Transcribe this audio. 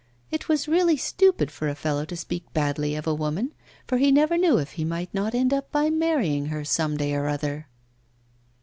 It was really stupid for a fellow to speak badly of a woman, for he never knew if he might not end by marrying her some day or other!